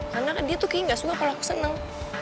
karena dia tuh kayaknya gak suka kalau aku seneng